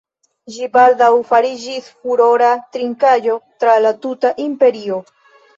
Ĝi baldaŭ fariĝis furora trinkaĵo tra la tuta imperio.